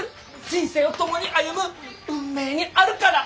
人生を共に歩む運命にあるから。